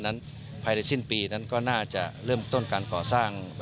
นั้นภายในสิ้นปีนั้นก็น่าจะเริ่มต้นการก่อสร้าง